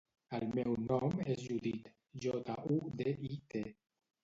El meu nom és Judit: jota, u, de, i, te.